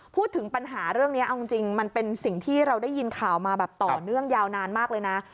พูดถึงปัญหาเรื่องนี้เอาจริงมันเป็นสิ่งที่เราได้ยินข่าวมาแบบต่อเนื่องยาวนานมากเลยนะ